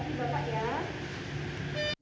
terima kasih bapak